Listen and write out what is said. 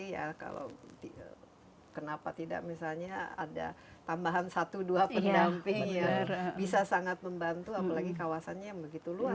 ya kalau kenapa tidak misalnya ada tambahan satu dua pendamping yang bisa sangat membantu apalagi kawasannya yang begitu luas